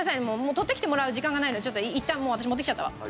取ってきてもらう時間がないのでちょっといったんもう私持ってきちゃったわ。